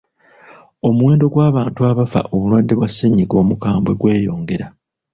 Omuwendo gw'abantu abafa obulwadde bwa ssennyiga omukambwe gweyongera.